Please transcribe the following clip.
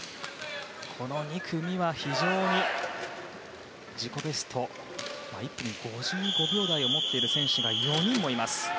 この２組は自己ベストに１分５５秒台を持っている選手が４人もいます。